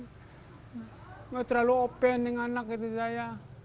tidak terlalu open dengan anak itu saya